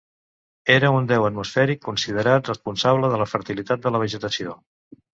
Era un déu atmosfèric considerat responsable de la fertilitat de la vegetació.